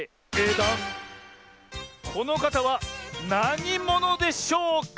このかたはなにものでしょうか？